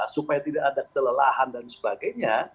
supaya tidak ada kelelahan dan sebagainya